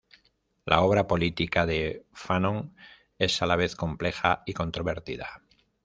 La obra política de Fanon es a la vez compleja y controvertida.